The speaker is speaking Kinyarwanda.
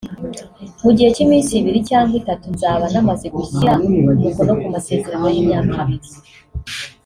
mu gihe cy’iminsi ibiri cyangwa itatu nzaba namaze gushyira umukono ku masezerano y’imyaka ibiri